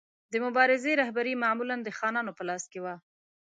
د مبارزې رهبري معمولا د خانانو په لاس کې وه.